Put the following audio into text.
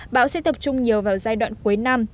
bão sẽ tập trung nhiều vào giai đoạn cuối năm